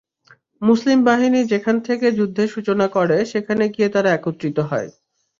মুসলিম বাহিনী যেখান থেকে যুদ্ধের সূচনা করে সেখানে গিয়ে তারা একত্রিত হয়।